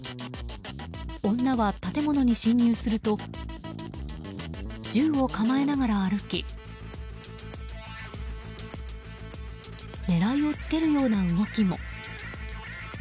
女は建物に侵入すると銃を構えながら歩き狙いをつけるような動きも。